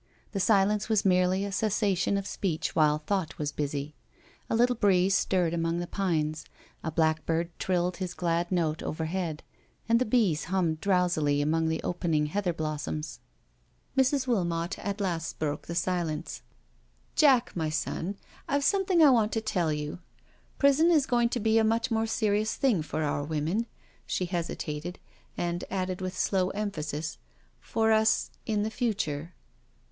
The silence was merely a cessation of speech while thought was busy. A little breeze stirred among the pines, a blackbird trilled his glad note over head, and the bees hummed drowsily among the open ing heather blossoms. Mrs. Wilmot at last broke the silence: " Jack, my son, I've something I want to tell you. Prison is going to be a much more serious thing for our women. •••" She hesitated, and added with slow emphasis, '* for us, in future."